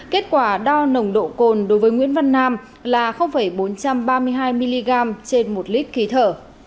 kết quả đo nồng độ cồn đối với nguyễn văn nam là bốn trăm ba mươi hai mg trên một lít khí thở